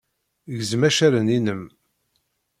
Gzem accaren-innem.